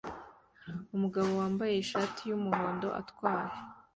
Umugabo wambaye ishati yumuhondo atwara